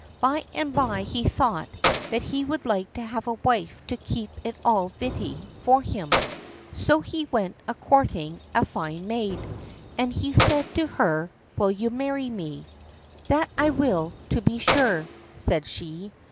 By and by he thought that he would like to have a wife to keep it all vitty for him. So he went a courting a fine maid, and he said to her: "Will you marry me?" "That I will, to be sure," said she.